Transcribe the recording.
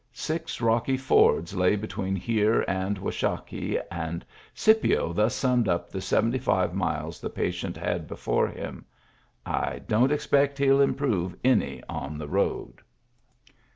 Six rocky fords lay between here and Washakie, and Scipio thus summed up the seventy five miles the patient had before him: "I don't expect he'll improve any on the road."